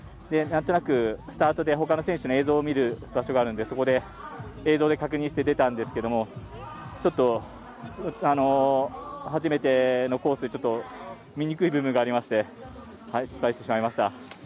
なんとなくスタートでほかの選手の映像を見る場所があるので、そこで映像で確認して出たんですがちょっと初めてのコースで見にくい部分がありまして失敗してしまいました。